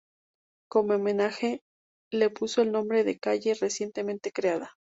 Como homenaje, le puso el nombre de la calle recientemente creada.